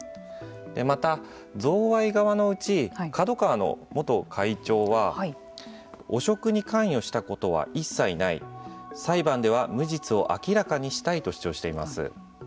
また、贈賄側のうちＫＡＤＯＫＡＷＡの元会長は汚職に関与したことは一切ない裁判では無実を明らかにしたいと主張しています。